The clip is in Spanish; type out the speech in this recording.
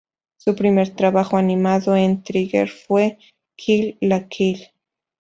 Su primer trabajo animado en Trigger fue Kill la Kill.